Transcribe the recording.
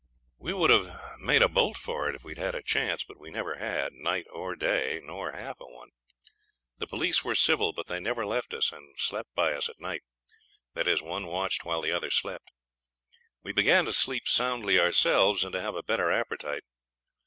We would have made a bolt of it if we'd had a chance, but we never had, night nor day, not half a one. The police were civil, but they never left us, and slept by us at night. That is, one watched while the other slept. We began to sleep soundly ourselves and to have a better appetite.